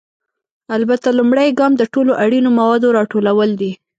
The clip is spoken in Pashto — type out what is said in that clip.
البته، لومړی ګام د ټولو اړینو موادو راټولول دي.